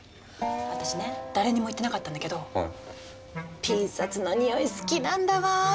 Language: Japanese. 私ね誰にも言ってなかったんだけどピン札の匂い好きなんだわあ。